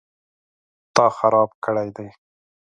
_تا خراب کړی دی؟